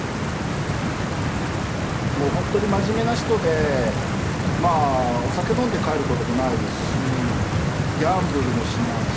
もうほんとに真面目な人でまあお酒飲んで帰ることもないですしギャンブルもしないし。